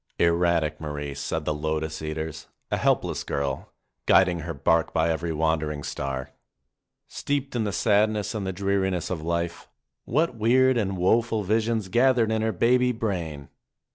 Er 21 22 MARIE ratio Marie, said the Lotus eaters, a helpless girl, guid ing her bark by every wandering star. Steeped in the sadness and the dreariness of life, what weird and woe ful visions gathered in her baby brain